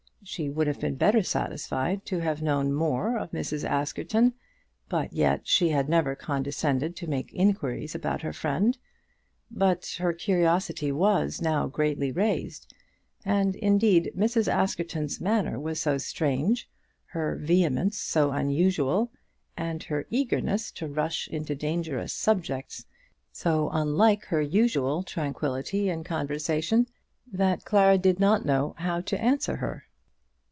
She would have been better satisfied to have known more of Mrs. Askerton, but yet she had never condescended to make inquiries about her friend. But her curiosity was now greatly raised; and, indeed, Mrs. Askerton's manner was so strange, her vehemence so unusual, and her eagerness to rush into dangerous subjects so unlike her usual tranquillity in conversation, that Clara did not know how to answer her.